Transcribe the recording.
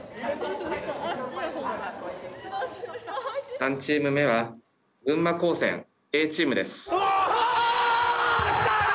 ３チーム目は群馬高専Ａチームです。